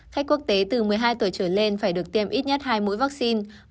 khách quốc tế từ một mươi hai tuổi trở lên phải được tiêm ít nhất hai mũi vaccine